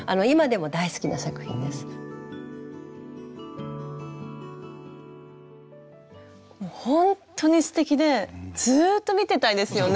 もうほんとにすてきでずっと見てたいですよね。